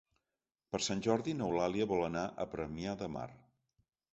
Per Sant Jordi n'Eulàlia vol anar a Premià de Mar.